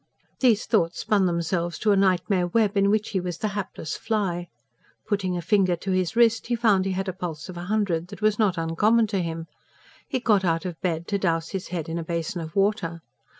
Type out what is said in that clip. These thoughts spun themselves to a nightmare web, in which he was the hapless fly. Putting a finger to his wrist, he found he had the pulse of a hundred that was not uncommon to him. He got out of bed, to dowse his head in a basin of water.